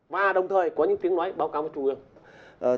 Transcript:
và đồng thời có những tiếng nói báo cáo cho chủ ương